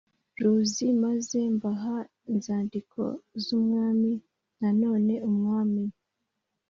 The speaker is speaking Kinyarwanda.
ruzi maze mbaha inzandiko z umwami nanone umwami